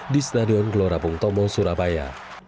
di stadion glorabung tomo surabaya